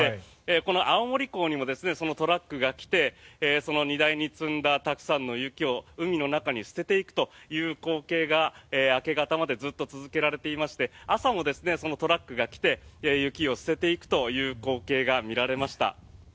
この青森港にもそのトラックが来てその荷台に積んだたくさんの雪を海の中に捨てていくという光景が明け方までずっと続けられていまして朝もそのトラックが来て雪を捨てていくという光景が見られました。